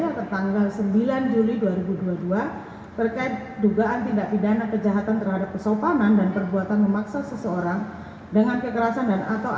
yang tertanggal sembilan juli dua ribu dua puluh dua terkait dugaan tindak pidana kejahatan terhadap pesakit